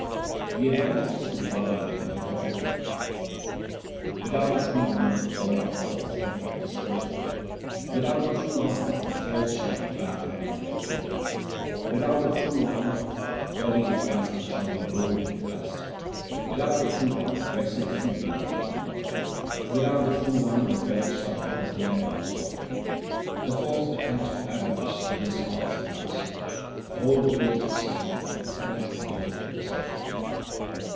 The advantages conferred on men by the True One: Without the True One all are false and practise falsehood. Without the True One the false shall be bound and led away ; 1 Pawar properly means trance, or suspended animation. 288 THE SIKH RELIGION Without the True One the body is dust and shall be rolled in the dust ; Without the True One dress and food are all hunger ; Without the True One the false shall not attain God s court . The false attached to avarice miss God s palace. The whole world is deceived, and cometh and goeth in deception.